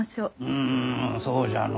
うんそうじゃのう。